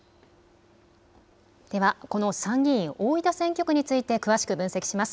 ではこの参議院大分選挙区について詳しく分析します。